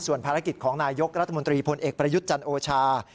ภารกิจของนายยกรัฐมนตรีพลเอกประยุทธ์จันโอชา